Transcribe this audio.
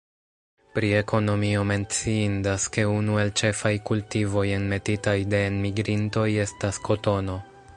Pri ekonomio menciindas ke unu el ĉefaj kultivoj enmetitaj de enmigrintoj estas kotono.